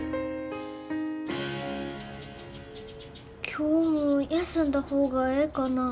今日も休んだ方がええかな？